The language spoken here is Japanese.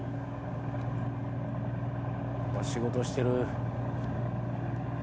仕事してる。